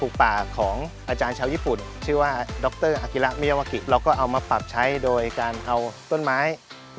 อยู่ในเนื่องเดียวกันหมดเลยตรงนั้น